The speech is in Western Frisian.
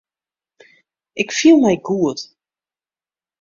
Ik fiel my goed.